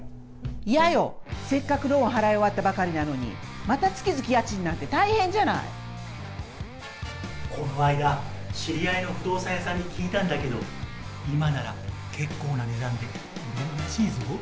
せっかくローンを払い終わったばかりなのに、また月々家賃なんてこの間、知り合いの不動産屋さんに聞いたんだけど、今なら結構な値段で売れるらしいぞ。